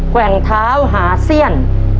แว่งเท้าหาเสี้ยน